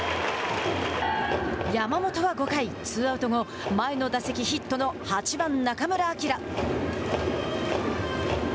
山本は５回ツーアウトも前の打席ヒットの８番、中村晃。